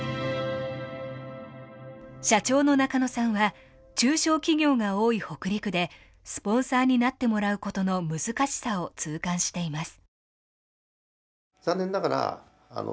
社長の中野さんは中小企業が多い北陸でスポンサーになってもらうことの難しさを痛感しています。